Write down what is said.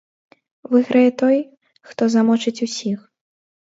Выйграе той, хто замочыць усіх.